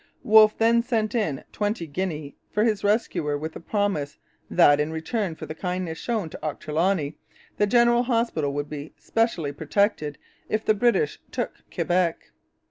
Wolfe then sent in twenty guineas for his rescuer, with a promise that, in return for the kindness shown to Ochterloney, the General Hospital would be specially protected if the British took Quebec.